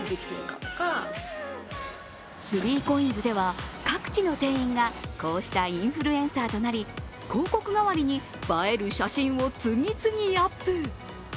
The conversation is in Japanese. ３ＣＯＩＮＳでは各地の店員がこうしたインフルエンサーとなり広告代わりに映える写真を次々アップ。